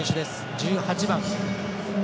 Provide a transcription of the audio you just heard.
１８番。